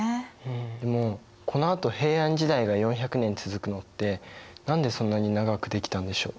でもこのあと平安時代が４００年続くのって何でそんなに長くできたんでしょう？